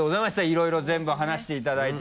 いろいろ全部話していただいて。